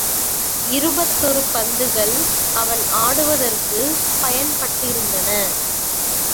இருபத்தொரு பந்துகள் அவள் ஆடுவதற்குப் பயன்பட்டிருந்தன.